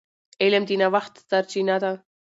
علم د نوښت سرچینه ده.